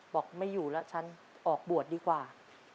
บอกไม่อยู่แล้วฉันออกบวชดีกว่า